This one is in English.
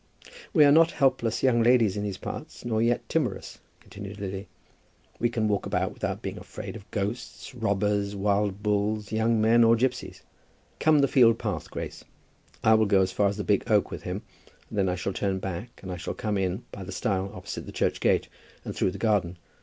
"We are not helpless young ladies in these parts, nor yet timorous," continued Lily. "We can walk about without being afraid of ghosts, robbers, wild bulls, young men, or gipsies. Come the field path, Grace. I will go as far as the big oak with him, and then I shall turn back, and I shall come in by the stile opposite the church gate, and through the garden.